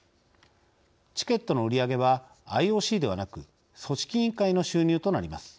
チケットの売り上げはＩＯＣではなく組織委員会の収入となります。